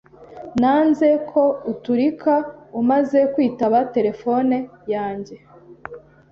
Nanze ko uturika umaze kwitaba terefone yanjye